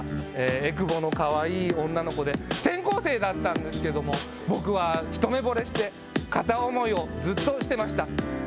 えくぼのかわいい女の子で、転校生だったんですけど、僕は一目ぼれして片思いをずっとしてました。